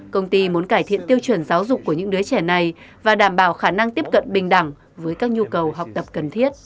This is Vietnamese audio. công ty muốn cải thiện tiêu chuẩn giáo dục của những đứa trẻ này và đảm bảo khả năng tiếp cận bình đẳng với các nhu cầu học tập cần thiết